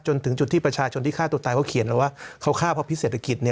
จนถึงจุดที่ประชาชนที่ฆ่าตัวตายเขาเขียนแล้วว่าเขาฆ่าเพราะพิเศรษฐกิจ